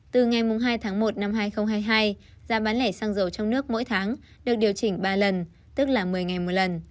từ ngày hai tháng một năm hai nghìn hai mươi hai giá bán lẻ xăng dầu trong nước mỗi tháng được điều chỉnh ba lần tức là một mươi ngày một lần